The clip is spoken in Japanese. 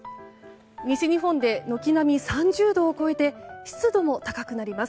西日本で軒並み３０度を超えて湿度も高くなります。